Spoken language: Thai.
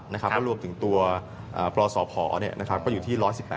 เอาอย่างงี้ดีกว่ามองเน็ตเลย